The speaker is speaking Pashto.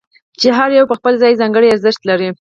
چې هر یو یې په خپل ځای ځانګړی ارزښت لري.